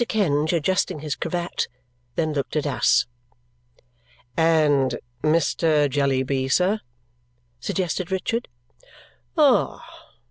Kenge, adjusting his cravat, then looked at us. "And Mr. Jellyby, sir?" suggested Richard. "Ah!